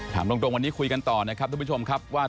ถามตรงวันนี้คุยกันต่อนะครับทุกผู้ชมครับว่า